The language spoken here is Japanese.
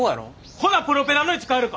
ほなプロペラの位置変えるか？